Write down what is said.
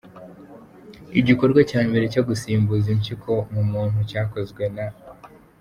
Igikorwa cya mbere cyo gusimbuza impyiko mu muntu cyakozwe na J.